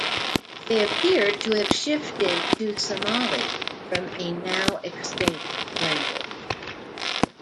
They appear to have shifted to Somali from a now-extinct language.